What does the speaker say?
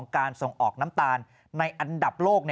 การส่งออกน้ำตาลในอันดับโลก